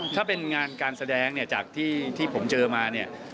ถ้าเป็นงานการแสดงจากที่ผมเจอมา